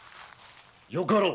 よかろう。